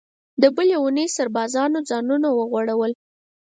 د بلې اوونۍ سربازانو ځانونه وغوړول.